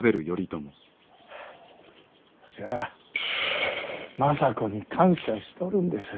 わしは政子に感謝しとるんです。